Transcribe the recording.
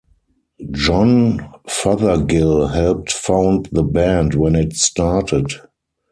John Fothergill helped found the band when it started.